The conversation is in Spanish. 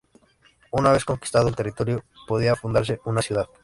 Una vez conquistado el territorio, podía fundarse una ciudad.